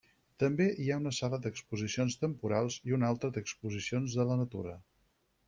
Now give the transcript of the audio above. També hi ha una sala d'exposicions temporals i una altra d'exposicions de la natura.